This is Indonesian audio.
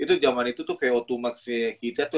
itu jaman itu tuh kayak otomatisnya kita tuh